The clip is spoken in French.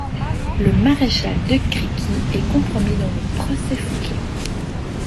Le maréchal de Créquy est compromis dans le procès Fouquet.